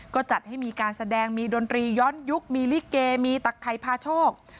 ก็จัดให้มีการแสดงมีดนตรีย้อนยุคมีลิเกมีตักไข่พาโชค